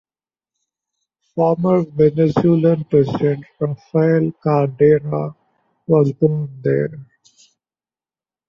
Former Venezuelan President Rafael Caldera was born there.